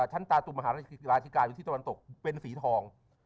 ชั้นตาตุมหาราชิกายุทธิสวรรค์เป็นสีทอง